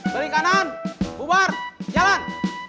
beli kanan bubar jalan